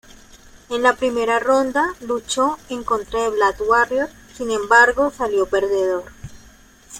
En la primera ronda, luchó en contra de Black Warrior, sin embargo salió perdedor.